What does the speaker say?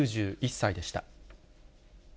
９１歳でした。